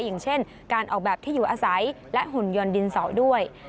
อย่างเช่นการออกแบบที่อยู่อาศัยและหุ่นยนต์ดินเสาด้วย